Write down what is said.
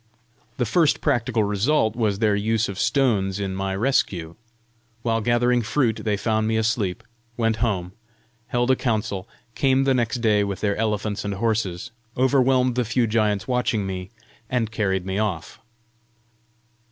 The first practical result was their use of stones in my rescue. While gathering fruit, they found me asleep, went home, held a council, came the next day with their elephants and horses, overwhelmed the few giants watching me, and carried me off.